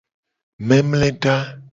Memleda.